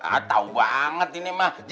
ah tau banget ini mah